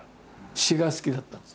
詩が好きだったんです。